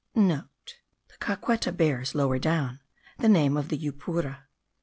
*(* The Caqueta bears, lower down, the name of the Yupura.)